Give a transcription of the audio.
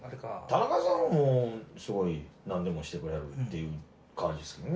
田中さんはもうすごいなんでもしてくれはるっていう感じですけどね。